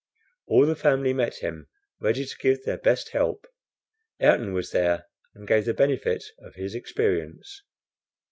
All the family met him, ready to give their best help. Ayrton was there, and gave the benefit of his experience.